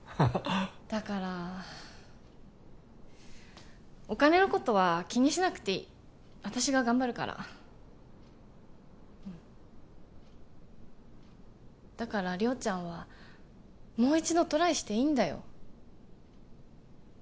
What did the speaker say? だからお金のことは気にしなくていい私が頑張るからだから亮ちゃんはもう一度トライしていいんだよ